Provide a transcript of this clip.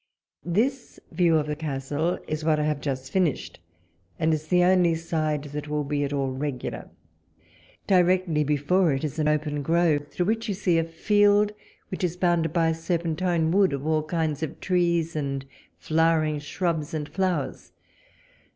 This view of the castle is wiiat I have just finished, and is the only side that will be at all regular. Directly before it is an open grove, through which you see a field, which is bounded by a serpentine wood of all kind of trees, and flower ing shrubs, and flowers.